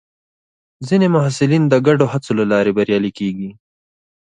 ځینې محصلین د ګډو هڅو له لارې بریالي کېږي.